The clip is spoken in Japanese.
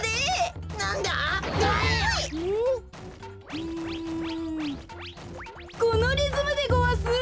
うんこのリズムでごわす！